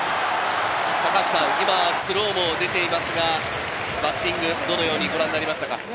スローも出ていますが、バッティング、どのようにご覧になりましたか？